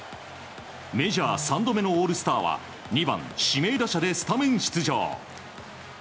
メジャー３度目のオールスターは２番指名打者でスタメン出場。